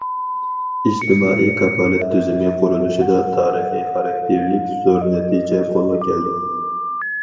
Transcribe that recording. ئىجتىمائىي كاپالەت تۈزۈمى قۇرۇلۇشىدا تارىخىي خاراكتېرلىك زور نەتىجە قولغا كەلدى.